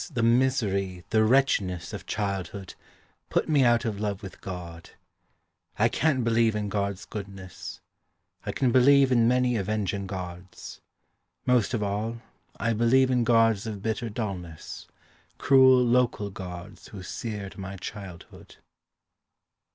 the misery, the wretchedness of childhood Put me out of love with God. I can't believe in God's goodness; I can believe In many avenging gods. Most of all I believe In gods of bitter dullness, Cruel local gods Who scared my childhood.